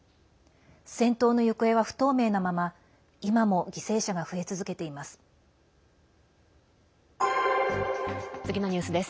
戦闘の行方は不透明なまま今も犠牲者が増え続けています。